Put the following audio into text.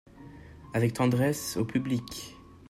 Avec tendresse, au public.